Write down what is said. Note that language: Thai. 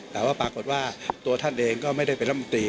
แต่ว่าปรากฏว่าตัวท่านเองก็ไม่ได้เป็นลำตี